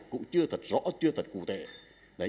cũng chưa thật rõ chưa thật cụ thể